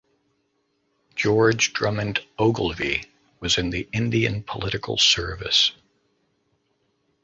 George Drummond Ogilvie was in the Indian Political Service.